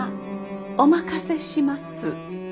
お任せします。